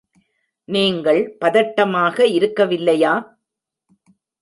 நீங்கள் பதட்டமாக இருக்கவில்லையா?